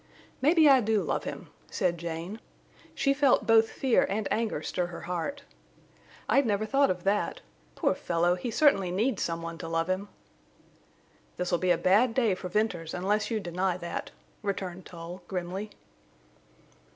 "Maybe I do love him," said Jane. She felt both fear and anger stir her heart. "I'd never thought of that. Poor fellow! he certainly needs some one to love him." "This'll be a bad day for Venters unless you deny that," returned Tull, grimly.